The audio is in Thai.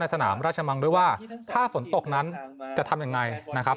สนามราชมังด้วยว่าถ้าฝนตกนั้นจะทำยังไงนะครับ